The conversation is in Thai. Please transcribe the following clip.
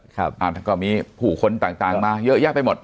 ครับก็มีผู้คนต่างมาเยอะแยะไปหมด